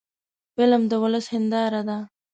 فلم د ولس هنداره ده